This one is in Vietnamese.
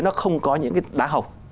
nó không có những cái đá học